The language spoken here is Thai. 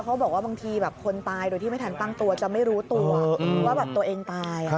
เขาบอกว่าบางทีแบบคนตายโดยที่ไม่ทันตั้งตัวจะไม่รู้ตัวว่าตัวเองตาย